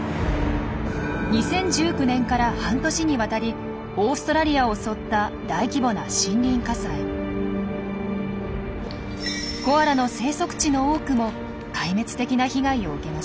２０１９年から半年にわたりオーストラリアを襲った大規模なコアラの生息地の多くも壊滅的な被害を受けました。